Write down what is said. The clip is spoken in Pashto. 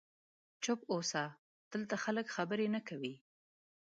چوپ اوسه، دلته خلک خبرې نه کوي.